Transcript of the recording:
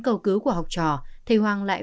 cầu cứu của học trò thầy hoàng lại